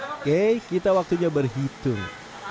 oke kita waktunya berhitung